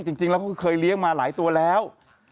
จริงแล้วเขาเคยเลี้ยงมาหลายตัวแล้ว